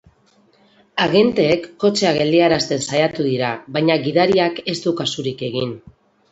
Agenteek kotxea geldiarazten saiatu dira baina gidariak ez du kasurik egin.